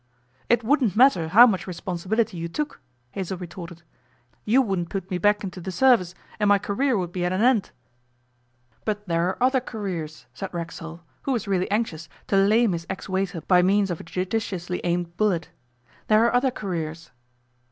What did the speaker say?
'It wouldn't matter how much responsibility you took,' Hazell retorted; 'you wouldn't put me back into the service, and my career would be at an end.' 'But there are other careers,' said Racksole, who was really anxious to lame his ex waiter by means of a judiciously aimed bullet. 'There are other careers.